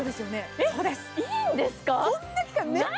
えっ、いいんですか？